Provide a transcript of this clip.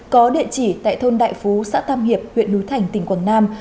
có địa chỉ tại thôn đại phú xã tam hiệp huyện núi thành tỉnh quảng nam